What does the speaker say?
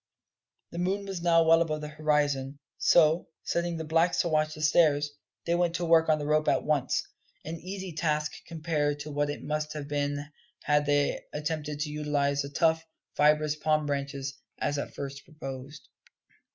The moon was now well above the horizon; so, setting the blacks to watch the stairs, they went to work on the rope at once an easy task compared to what it must have been had they attempted to utilise the tough, fibrous palm branches, as at first proposed.